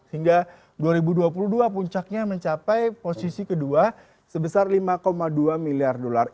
hingga dua ribu dua puluh dua puncaknya mencapai posisi kedua sebesar lima dua miliar dolar